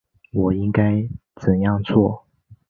我应该怎样做？